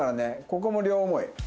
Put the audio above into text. ここも両思い。